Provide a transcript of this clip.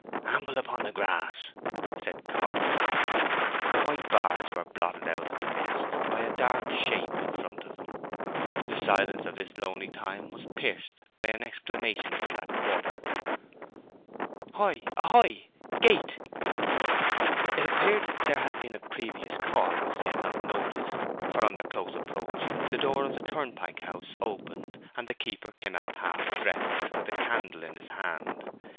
"Amble on upon the grass," said Coggan. The white bars were blotted out in the midst by a dark shape in front of them. The silence of this lonely time was pierced by an exclamation from that quarter. "Hoy a hoy! Gate!" It appeared that there had been a previous call which they had not noticed, for on their close approach the door of the turnpike house opened, and the keeper came out half dressed, with a candle in his hand.